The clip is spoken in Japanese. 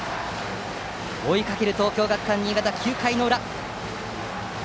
追いかける東京学館新潟９回の裏。